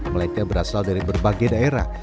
mereka berasal dari berbagai daerah